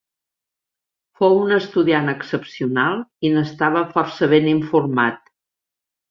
Fou un estudiant excepcional i n'estava força ben informat.